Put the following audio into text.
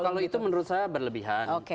kalau itu menurut saya berlebihan